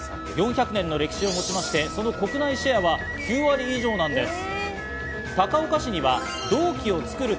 ４００年の歴史を持ちまして、その国内シェアは９割以上なんです。